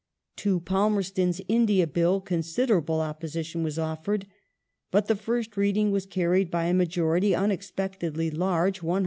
To Palmei ston's India Bill considerable opposition was offered, but the first reading was carried by a majority unexpectedly large (145).